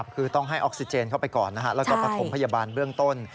คือต้องให้ออกซิเจนเข้าไปก่อนแล้วก็ประถมพยาบาลเบื้องต้น